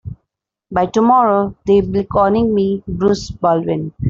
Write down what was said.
By tomorrow they'll be calling me Bruce Baldwin.